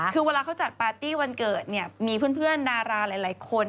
คือเวลาเขาจัดปาร์ตี้วันเกิดเนี่ยมีเพื่อนดาราหลายคน